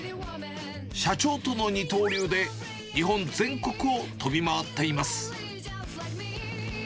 社長との二刀流で、日本全国を飛び回っています。